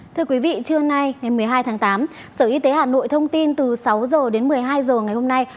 thưa quý vị trưa nay ngày một mươi hai tháng tám sở y tế hà nội thông tin từ sáu h đến một mươi hai h ngày hôm nay